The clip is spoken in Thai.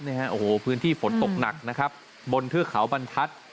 โอ้โหพื้นที่ฝนตกหนักนะครับบนเทือกเขาบรรทัศน์